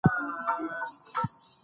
آس خپله لاره په خپله جوړه کړه.